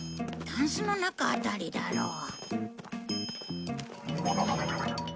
たんすの中あたりだろう。